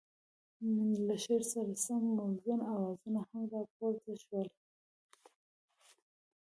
له شعر سره سم موزون اوازونه هم را پورته شول.